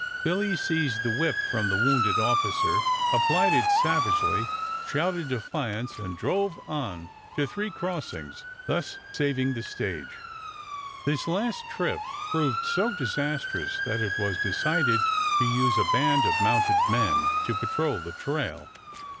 Billy seized the whip from the wounded officer, applied it savagely, shouted defiance, and drove on to Three Crossings, thus saving the stage. [Illustration: THE ATTACK ON THE OVERLAND COACH.] This last trip proved so disastrous that it was decided to use a band of mounted men to patrol the trail.